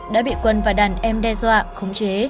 đã bị quân và đàn em đe dọa khống chế